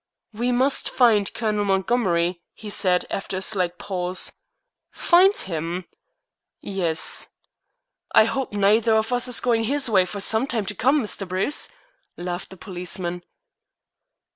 "We must find Colonel Montgomery," he said, after a slight pause. "Find him!" "Yes." "I hope neither of us is going his way for some time to come, Mr. Bruce," laughed the policeman.